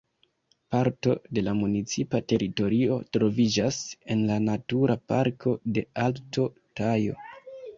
Parto de la municipa teritorio troviĝas en la Natura Parko de Alto Tajo.